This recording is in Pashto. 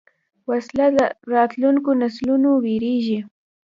وسله د راتلونکو نسلونو وېرېږي